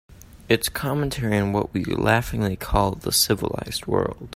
It's a commentary on what we laughingly call the civilized world.